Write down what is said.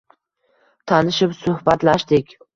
Tanishib, suhbatlashdik